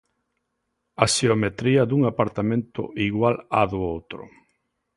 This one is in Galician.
A xeometría dun apartamento igual á do outro.